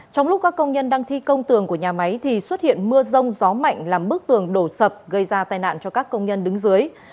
trong lúc các công nhân đang thi công tường của nhà máy thì xuất hiện mưa rông gió mạnh làm bức tường đổ sập gây ra tai nạn cho các công nhân đứng dưới